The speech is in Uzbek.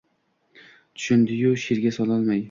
Tushundi-yu, she’rga sololmay